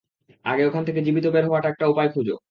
আগে, ওখান থেকে জীবিত বের হওয়ার একটা উপায় খোঁজো।